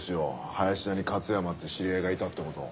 林田に勝山って知り合いがいたって事。